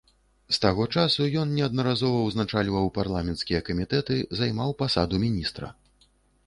З таго часу ён неаднаразова ўзначальваў парламенцкія камітэты, займаў пасаду міністра.